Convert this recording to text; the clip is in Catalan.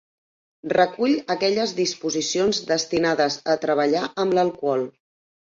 Recull aquelles disposicions destinades a treballar amb l'alcohol.